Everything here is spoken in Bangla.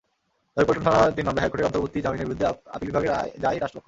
তবে পল্টন থানার তিন মামলায় হাইকোর্টের অন্তর্বর্তী জামিনের বিরুদ্ধে আপিল বিভাগে যায় রাষ্ট্রপক্ষ।